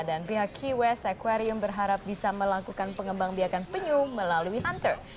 dan pihak key west aquarium berharap bisa melakukan pengembang biakan penyu melalui hunter